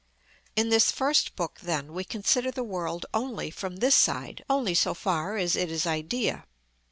In this first book, then, we consider the world only from this side, only so far as it is idea.